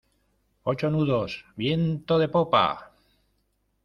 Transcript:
ocho nudos, viento de popa...